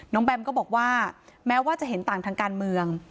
แบมก็บอกว่าแม้ว่าจะเห็นต่างทางการเมือง